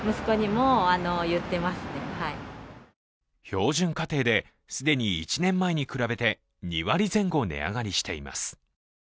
標準家庭で既に１年前に比べて２割前後値上がりしています。